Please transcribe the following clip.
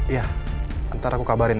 iya ntar aku kabarin